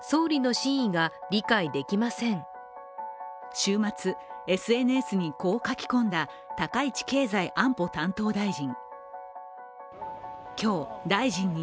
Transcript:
週末、ＳＮＳにこう書き込んだ高市経済安保担当大臣。